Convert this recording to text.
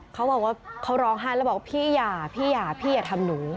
เขาบอกว่าเขาร้องไห้แล้วบอกว่าพี่อย่าพี่อย่าพี่อย่าทำหนู